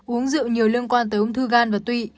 uống rượu nhiều liên quan tới ung thư gan và tụy